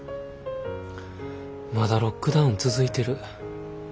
まだロックダウン続いてる。